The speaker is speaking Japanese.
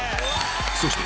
そして